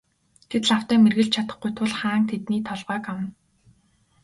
Тэд лавтай мэргэлж чадахгүй тул хаан тэдний толгойг авна.